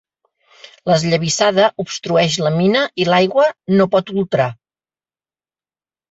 L'esllavissada obstrueix la mina i l'aigua no pot ultrar.